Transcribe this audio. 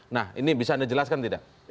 nah ini bisa anda jelaskan tidak